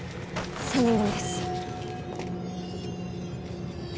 ３人組です。